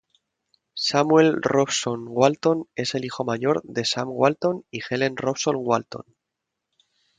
Samuel Robson Walton es el hijo mayor de Sam Walton y Helen Robson Walton.